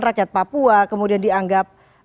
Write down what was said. rakyat papua kemudian dianggap